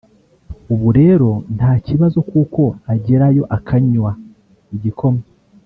ubu rero nta kibazo kuko agerayo akanywa igikoma